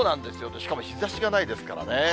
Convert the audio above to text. しかも日ざしがないですからね。